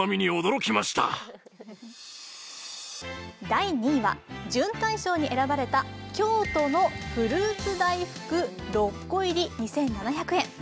第２位は準大賞に選ばれた京都のフルーツ大福６個入り２７００円。